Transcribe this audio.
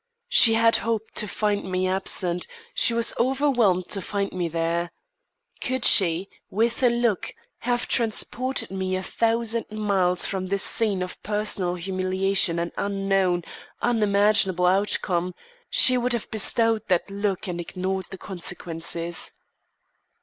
She had hoped to find me absent; she was overwhelmed to find me there. Could she, with a look, have transported me a thousand miles from this scene of personal humiliation and unknown, unimaginable outcome, she would have bestowed that look and ignored the consequences.